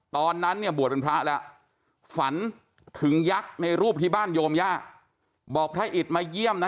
ตอนนั้นเนี่ยบวชเป็นพระแล้วฝันถึงยักษ์ในรูปที่บ้านโยมย่าบอกพระอิตมาเยี่ยมนะ